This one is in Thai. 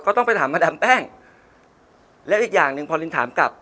ต้องไปถามมาดามแป้งแล้วอีกอย่างหนึ่งพอลินถามกลับ